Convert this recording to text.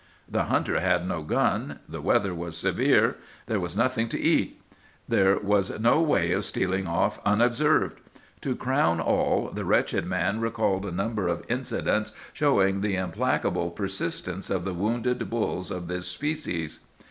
The hunter had no gun. The weather was severe. There was nothing to eat. There was no way of stealing off unobserved. To crown all, the wretched man recalled a number of incidents showing the implacable persistence of the wounded bulls of this species.